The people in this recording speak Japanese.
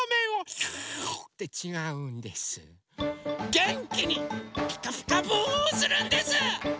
げんきに「ピカピカブ！」をするんです！